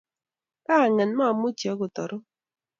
kyanget, mamuchi agot aruu